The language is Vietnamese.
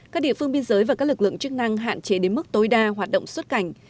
các địa phương biên giới và các lực lượng chức năng hạn chế đến mức tối đa hoạt động xuất cảnh